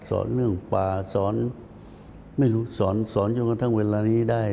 สอนเรื่องป่าสอนไม่รู้สอนสอนจนกระทั่งเวลานี้ได้